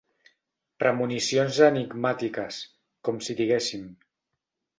Premonicions enigmístiques, com si diguéssim.